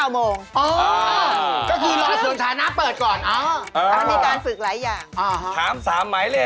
๖โมงถึง๙โมง